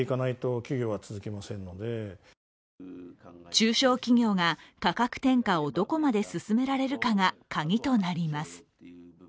中小企業が価格転嫁をどこまで進められるかが鍵となります。